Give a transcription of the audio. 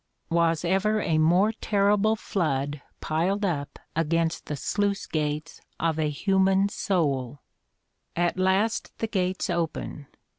Was ever a more terrible flood piled up a:gainst the sluice gates of a human soul? At last the gates open.